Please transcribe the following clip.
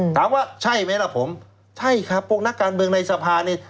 ถามว่าใช่ไหมล่ะผมใช่ครับพวกนักการเมืองในสภาเนี่ย